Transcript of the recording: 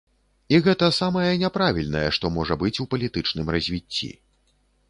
І гэта самае няправільнае, што можа быць у палітычным развіцці.